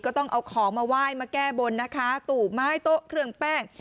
ต้องเอาของมาไหว้มาแก้บนนะคะตู่ไม้โต๊ะเครื่องแป้ง